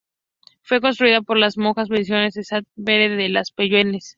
Fue construida por las monjas benedictinas de Sant Pere de les Puelles.